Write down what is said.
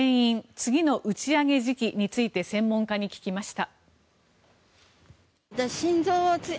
次の打ち上げ時期について専門家に聞きました。